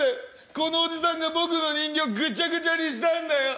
このおじさんが僕の人形をぐちゃぐちゃにしたんだよ。